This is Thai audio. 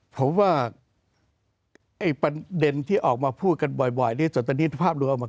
ผมว่าไอ้ปัญหาที่ออกมาพูดกันบ่อยจนตรงนี้ภาพไม่รู้ออกมา